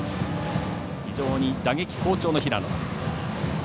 非常に打撃好調の平野。